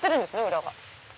裏が。